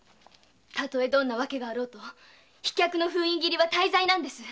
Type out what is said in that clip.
たとえどんな訳があろうと飛脚の封印切りは大罪なんです！